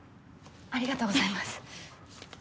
ありがとうございます。